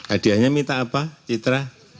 hadiahnya minta apa citra